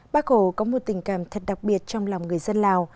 bác hồ có một tình cảm thật đặc biệt trong lòng người dân lào